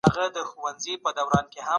سره له دې چې ظاهراً سخت ښکاري.